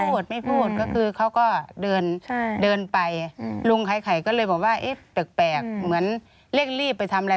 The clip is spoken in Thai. พูดไม่พูดก็คือเขาก็เดินเดินไปลุงไข่ก็เลยบอกว่าเอ๊ะแปลกเหมือนเร่งรีบไปทำอะไร